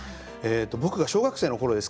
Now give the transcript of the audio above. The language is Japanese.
僕が小学生の頃ですか